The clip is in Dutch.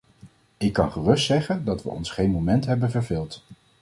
Ik kan gerust zeggen dat we ons geen moment hebben verveeld.